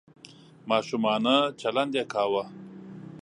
ماشومانه چلند یې کاوه .